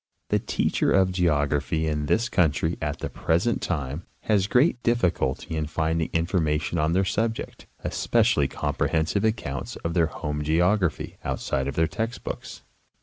The teacher of geography in this country at the present time has great difficulty in finding information on their subject, especially comprehensive accounts of their home geography, outside of their text books.